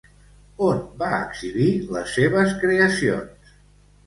On va exhibir les seves creacions?